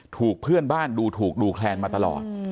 ถูกเพื่อนบ้านดูถูกดูแคลนมาตลอด